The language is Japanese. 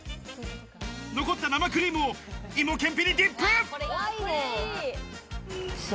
残った生クリームを、芋けんぴにディップ。